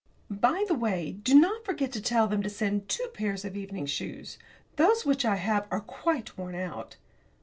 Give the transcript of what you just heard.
By the way, do not forget to tell them to send two pairs of evening shoes. Those which I have are quite worn out.